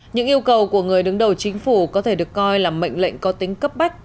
những yêu cầu của người đứng đầu chính phủ có thể được coi là mệnh lệnh có tính cấp bách